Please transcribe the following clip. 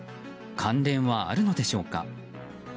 関連はあるのでしょうか。